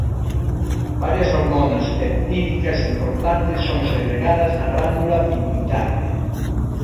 Varias hormonas peptídicas importantes son segregadas na glándula pituitaria.